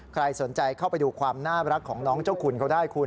ใครสนใจเข้าไปดูความน่ารักของน้องเจ้าคุณเขาได้คุณ